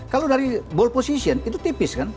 kalau dari posisi bola itu tipis kan